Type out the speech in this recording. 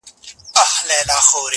ته لږه ایسته سه چي ما وویني.